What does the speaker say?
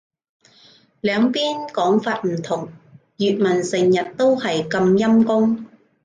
兩邊講法唔同。粵文成日都係咁陰功